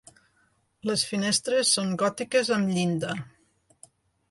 Les finestres són gòtiques amb llinda.